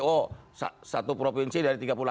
oh satu provinsi dari tiga puluh delapan